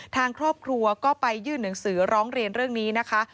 ทางครอบครัวก็ไปยื่นหนังสือร้องเรียนเรื่องนี้นะคะ